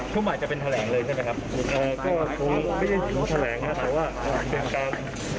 ช่วงบ่ายจะเป็นแถลงเลยใช่ไหมครับ